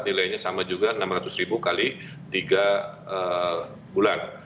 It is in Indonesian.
nilainya sama juga enam ratus ribu kali tiga bulan